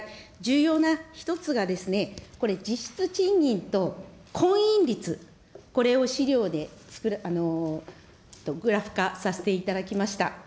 重要な１つがですね、これ実質賃金と婚姻率、これを資料でグラフ化させていただきました。